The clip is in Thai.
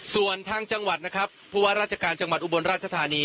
ส่วนทางจังหวัดนะครับผู้ว่าราชการจังหวัดอุบลราชธานี